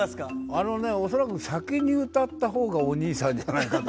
あのね恐らく先に歌った方がお兄さんじゃないかと。